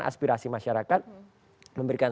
aspirasi masyarakat memberikan